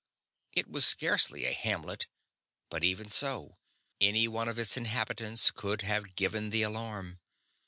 It was scarcely a hamlet, but even so any one of its few inhabitants could have given the alarm.